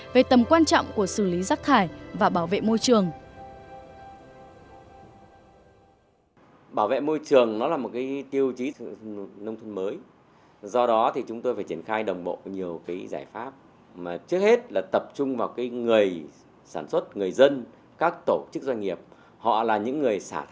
về tầm quan trọng của xử lý rác thải và bảo vệ môi trường